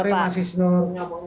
selamat sore mas isnur